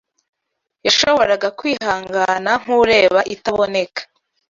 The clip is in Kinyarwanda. yashoboraga kwihangana nk’ureba “Itaboneka.”